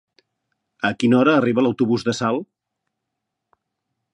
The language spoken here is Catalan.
A quina hora arriba l'autobús de Salt?